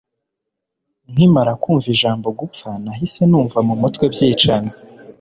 Nkimara kumva ijambo gupfa nahise numva mu mutwe byicanze